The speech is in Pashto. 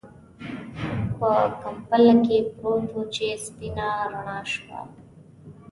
په کمپله کې پروت و چې سپينه رڼا شوه.